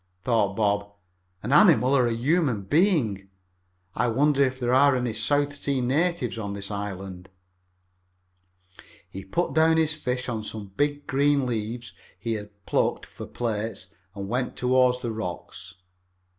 thought Bob. "An animal or a human being? I wonder if there are any South Sea natives on this island?" He put down his fish on some big green leaves he had plucked for plates and went toward the rocks.